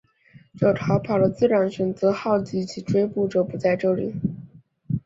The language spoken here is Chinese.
只有逃跑的自然选择号及其追捕者不在这里。